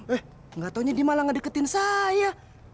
eh gak taunya dia malah ngedeketin saya